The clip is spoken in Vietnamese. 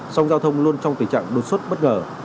song giao thông luôn trong tình trạng đột xuất bất ngờ